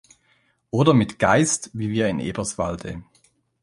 Oder mit „Geist“ wie wir in Eberswalde.